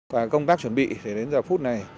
và công tác chuẩn bị đến giờ phút này